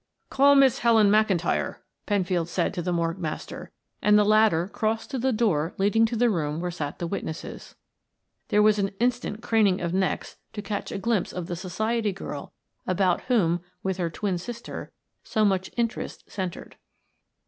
"Call Miss Helen McIntyre," Penfield said to the morgue master, and the latter crossed to the door leading to the room where sat the witnesses. There was instant craning of necks to catch a glimpse of the society girl about whom, with her twin sister, so much interest centered.